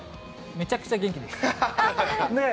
めちゃくちゃ元気です。